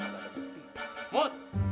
nggak ada bukti